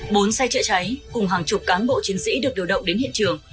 bốn xe chữa cháy cùng hàng chục cán bộ chiến sĩ được điều động đến hiện trường